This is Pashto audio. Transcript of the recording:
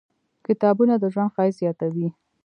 • کتابونه، د ژوند ښایست زیاتوي.